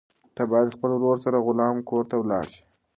ته باید د خپل ورور سره د غلام کور ته لاړ شې.